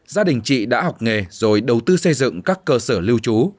gia đình chị đã học nghề rồi đầu tư xây dựng các cơ sở lưu trú